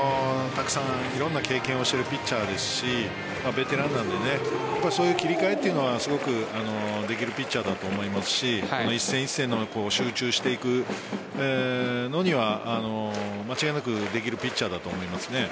たくさんいろんな経験をしているピッチャーですしベテランなのでそういう切り替えはすごくできるピッチャーだと思いますし一戦一戦集中していくのには間違いなくできるピッチャーだと思います。